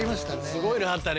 すごいのあったね。